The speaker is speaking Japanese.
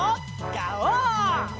ガオー！